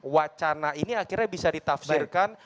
wacana ini akhirnya bisa ditafsirkan